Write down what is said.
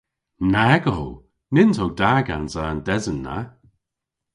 Nag o! Nyns o da gansa an desen na.